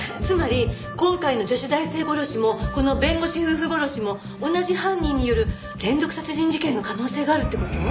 つまり今回の女子大生殺しもこの弁護士夫婦殺しも同じ犯人による連続殺人事件の可能性があるって事？